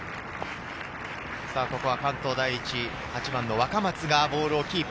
ここは関東第一、若松がボールをキープ。